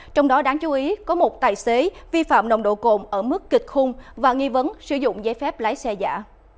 trong đó đáng chú ý có một tài xế vi phạm nồng độ cồn ở mức kịch khung và nghi vấn sử dụng giấy phép lái xe giả